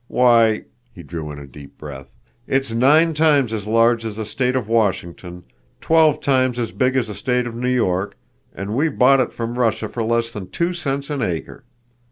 Why"—he drew in a deep breath—"it's nine times as large as the state of Washington, twelve times as big as the state of New York, and we bought it from Russia for less than two cents an acre.